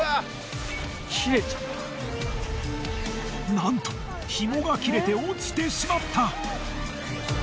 なんとひもが切れて落ちてしまった！